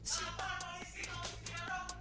siapa polisi kalau si kujinggaro